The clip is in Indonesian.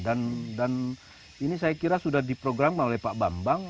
dan ini saya kira sudah diprogram oleh pak bambang